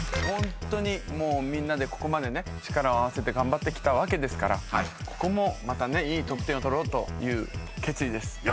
ホントにみんなでここまでね力を合わせて頑張ってきたわけですからここもまたねいい得点を取ろうという決意です。